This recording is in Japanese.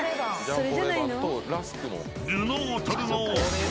それじゃないの？